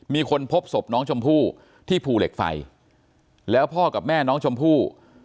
มีคนพบศพน้องชมพู่ที่ภูเหล็กไฟแล้วพ่อกับแม่น้องชมพู่